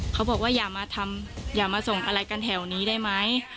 เขาบอกว่าอย่ามาทำอย่ามาส่งอะไรกันแถวนี้ได้ไหม